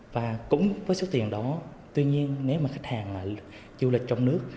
và cũng với số tiền đó tuy nhiên nếu mà khách hàng mà du lịch trong nước